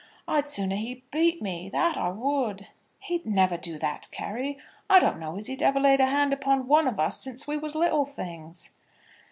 I'd sooner he'd beat me; that I would." "He'll never do that, Carry. I don't know as he ever laid a hand upon one of us since we was little things."